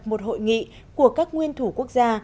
một hội nghị của các nguyên thủ quốc gia